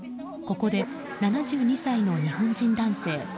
ここで７２歳の日本人男性